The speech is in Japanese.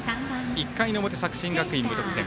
１回の表、作新学院無得点。